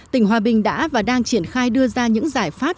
tỉnh hòa bình đã và đang triển khai đưa ra những giải pháp